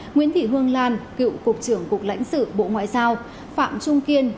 nguyễn thị hương lan cựu cục trưởng cục lãnh sự bộ ngoại giao phạm trung kiên